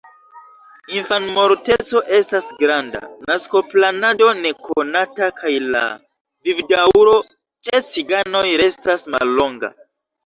Infanmorteco estas granda, naskoplanado nekonata kaj la vivdaŭro ĉe ciganoj restas mallonga.